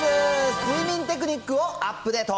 睡眠テクニックをアップデート。